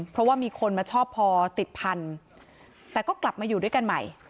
เพราะว่ามีคนมาชอบพอติดพันธุ์แต่ก็กลับมาอยู่ด้วยกันใหม่